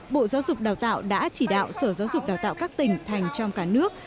bộ giáo dục đào tạo đã chỉ đạo sở giáo dục đào tạo các tỉnh thành trong cả nước